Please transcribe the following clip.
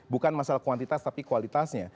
bukan masalah kuantitas tapi kualitasnya